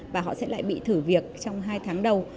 và họ sẽ lại bị thử việc trong hai tháng đầu